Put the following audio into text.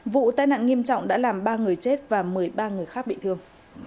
vụ tai nạn nghiêm trọng đã làm ba người chết và một mươi ba người khác bị thương